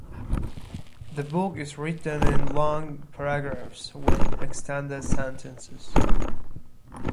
The book is written in long paragraphs with extended sentences.